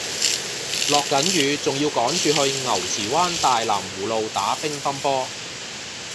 落緊雨仲要趕住去牛池灣大藍湖路打乒乓波